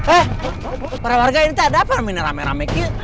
eh para warga ini tak ada apa apa ramai ramai